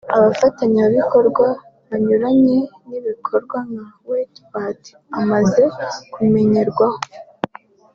abafatanyabikorwa banyuranye n’ibikorwa nka White Party amaze kumenyerwaho